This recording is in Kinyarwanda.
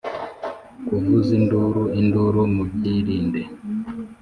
Kuvuzinduru induru mubyirinde.